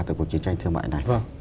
từ cuộc chiến tranh thương mại này